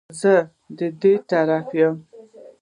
زه د دې طرفدار یم